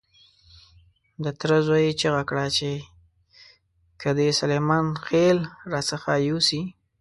د تره زوی چیغه کړه چې که دې سلیمان خېل را څخه يوسي.